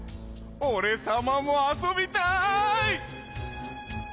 おれさまもあそびたい！